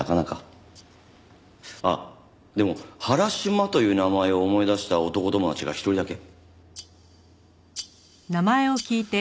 あっでも「原島」という名前を思い出した男友達が一人だけ。